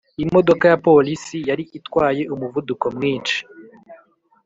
imodoka ya polisi yari itwaye umuvuduko mwinshi.